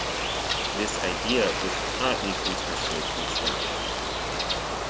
This idea was hotly contested in Scotland.